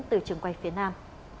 từ trường quay phía nam